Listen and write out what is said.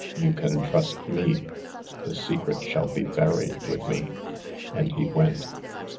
" You can trust me. The secret shall be buried with me." And he went.